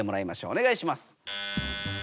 おねがいします！